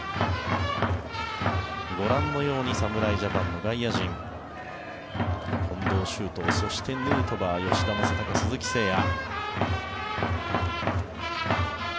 ご覧のように侍ジャパンの外野陣近藤、周東、そしてヌートバー吉田正尚、鈴木誠也。